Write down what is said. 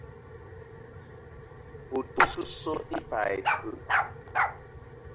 Ou te so i pas ipee?